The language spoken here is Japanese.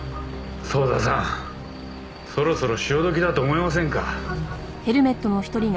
早田さんそろそろ潮時だと思いませんか？